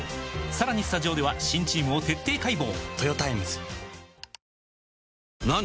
さらにスタジオでは新チームを徹底解剖！